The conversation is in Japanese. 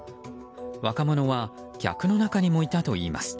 若者は客の中にもいたといいます。